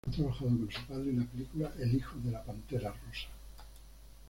Ha trabajado con su padre en la película "El hijo de la pantera rosa".